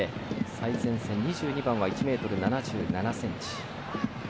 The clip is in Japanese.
最前線、２２番は１ｍ７７ｃｍ。